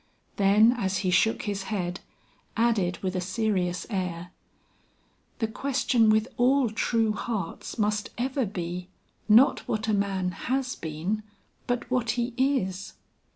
Then as he shook his head, added with a serious air, "The question with all true hearts must ever be, not what a man has been, but what he is.